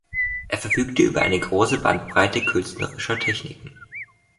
Er verfügte über eine große Bandbreite künstlerischer Techniken.